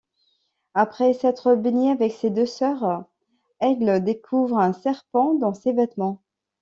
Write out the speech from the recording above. Après s'être baignée avec ses deux sœurs, Eglė découvre un serpent dans ses vêtements.